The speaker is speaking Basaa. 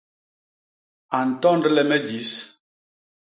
A ntondle me jis.